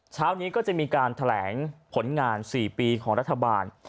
เช้านี้ก็จะมีการแถลงผลงาน๔ปีของรัฐบาล